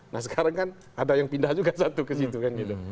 nah sekarang kan ada yang pindah juga satu ke situ kan gitu